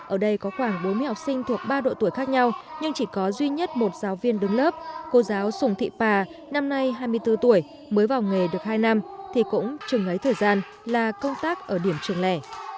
ở đây có khoảng bốn mươi học sinh thuộc ba độ tuổi khác nhau nhưng chỉ có duy nhất một giáo viên đứng lớp cô giáo sùng thị pà năm nay hai mươi bốn tuổi mới vào nghề được hai năm thì cũng chừng ấy thời gian là công tác ở điểm trường lẻ